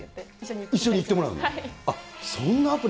一緒に行ってもらうの？